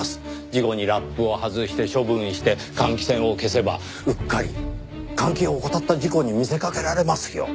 事後にラップを外して処分して換気扇を消せばうっかり換気を怠った事故に見せかけられますよ。